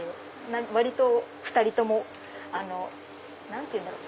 割と２人とも何て言うんだろう。